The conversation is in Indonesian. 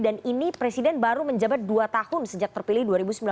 dan ini presiden baru menjabat dua tahun sejak terpilih dua ribu sembilan belas